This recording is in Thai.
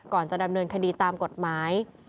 ก่อนจะดำเนินคดีตามกฎหมาย